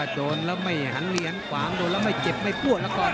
โดนแล้วไม่หังเลียงหังขวางโดนแล้วไม่เจ็บไม่ป้วนอะไรก่อน